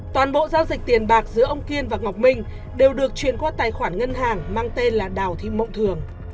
toàn bộ giao dịch tiền bạc giữa ông kiên và ngọc minh đều được chuyển qua tài khoản ngân hàng mang tên là đào thị mộng thường